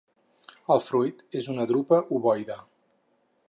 El fruit és una drupa ovoide.